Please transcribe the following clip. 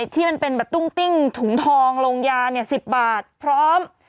ที่มันเป็นแบบตุ้งติ้งถุงทองลงยา๑๐บาทพร้อม